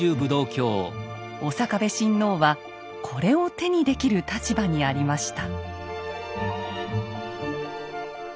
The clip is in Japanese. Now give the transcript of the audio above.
刑部親王はこれを手にできる立場にありました。